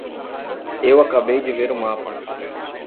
Eu acabei de ver o mapa.